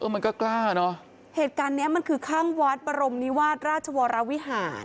มันก็กล้าเนอะเหตุการณ์เนี้ยมันคือข้างวัดบรมนิวาสราชวรวิหาร